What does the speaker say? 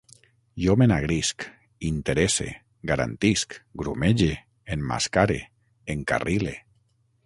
Jo m'enagrisc, interesse, garantisc, grumege, emmascare, encarrile